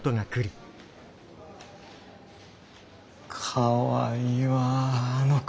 かわいいわあの子。